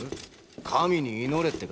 神に祈れってか？